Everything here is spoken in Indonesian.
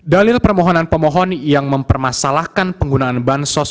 dalil permohonan pemohon yang mempermasalahkan penggunaan bansos